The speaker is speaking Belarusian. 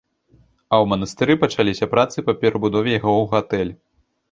А ў манастыры пачаліся працы па перабудове яго ў гатэль.